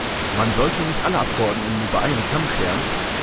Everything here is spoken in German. Man sollte nicht alle Abgeordneten über einen Kamm scheren.